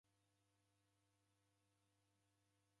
Ni tee rako.